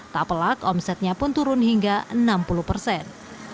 tak pelak omsetnya pun turun hingga enam puluh persen